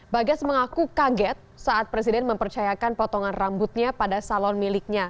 bagas mengaku kaget saat presiden mempercayakan potongan rambutnya pada salon miliknya